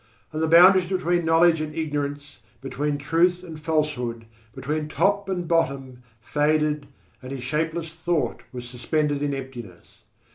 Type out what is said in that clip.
And the boundaries between knowledge and ignorance, between truth and falsehood, between top and bottom, faded and his shapeless thought was suspended in emptiness.